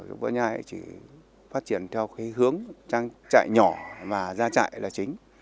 ở võ nhai chỉ phát triển theo cái hướng trang trại nhỏ và ra trại là chính